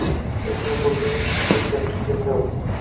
Murod, sen champion bo‘lganing uchun ko‘p gapirgim yo‘q…